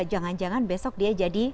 jangan jangan besok dia jadi